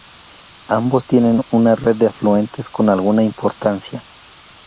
Ambos tienen una red de afluentes con alguna importancia.